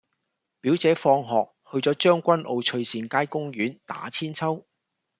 表姐放學去左將軍澳翠善街公園打韆鞦